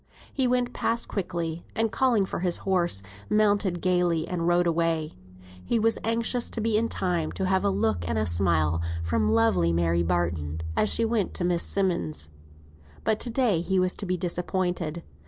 He went past quickly, and calling for his horse, mounted gaily, and rode away. He was anxious to be in time to have a look and a smile from lovely Mary Barton, as she went to Miss Simmonds'. But to day he was to be disappointed.